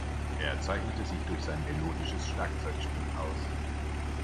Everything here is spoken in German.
Er zeichnet sich durch sein melodisches Schlagzeugspiel aus.